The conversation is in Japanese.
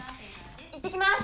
行ってきます！